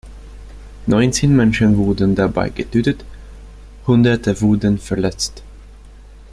Neunzehn Menschen wurden dabei getötet, Hunderte wurden verletzt.